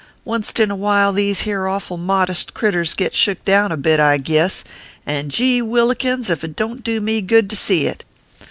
Onct in a while these here awful modest critters git shook down a bit, I guess ; and gheewhillikins ! ef it don t do me good to see it.